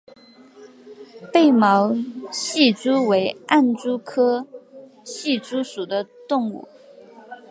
被毛隙蛛为暗蛛科隙蛛属的动物。